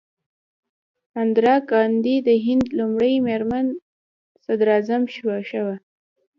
اندرا ګاندي د هند لومړۍ میرمن صدراعظم شوه.